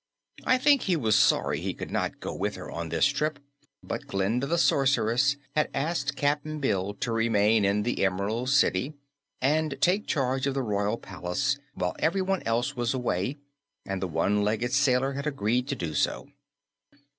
I think he was sorry he could not go with her on this trip, but Glinda the Sorceress had asked Cap'n Bill to remain in the Emerald City and take charge of the royal palace while everyone else was away, and the one legged sailor had agreed to do so.